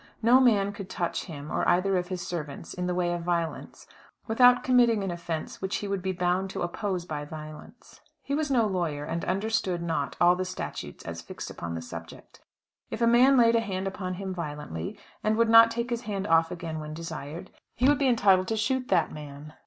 No man could touch him or either of his servants in the way of violence without committing an offence which he would be bound to oppose by violence. He was no lawyer, and understood not at all the statutes as fixed upon the subject. If a man laid a hand upon him violently, and would not take his hand off again when desired, he would be entitled to shoot that man.